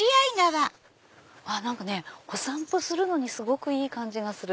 何かねお散歩するのにすごくいい感じがする。